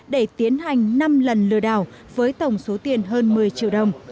để tiến hành năm lần lừa đảo với tổng số tiền hơn một mươi triệu đồng